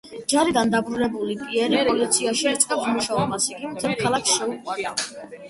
ჯარიდან დაბრუნებული პიერი პოლიციაში იწყებს მუშაობას, იგი მთელ ქალაქს შეუყვარდა.